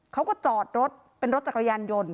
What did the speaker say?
เขาก็จอดรถเป็นรถจักรยานยนต์